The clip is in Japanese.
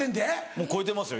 もう超えてますよ